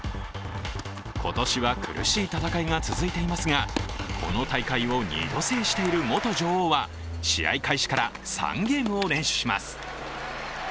今年は苦しい戦いが続いていますが、この大会を２度制している元女王は試合開始から３ゲームを連取します。